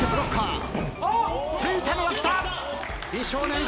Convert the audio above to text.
ついたのは北！